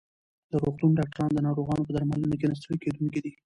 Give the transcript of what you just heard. د روغتون ډاکټران د ناروغانو په درملنه کې نه ستړي کېدونکي دي.